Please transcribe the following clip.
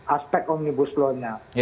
aspek omnibus law nya